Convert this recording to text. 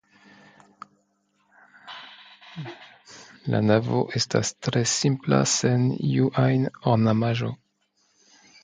La navo estas tre simpla sen iu ajn ornamaĵo.